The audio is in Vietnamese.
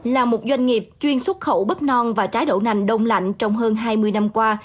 là một doanh nghiệp chuyên xuất khẩu bắp non và trái đậu nành đông lạnh trong hơn hai mươi năm qua